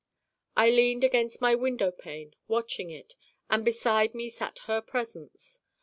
I leaned against my window pane watching it, and beside me sat her Presence.